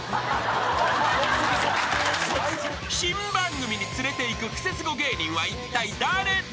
［新番組に連れていくクセスゴ芸人はいったい誰だ？］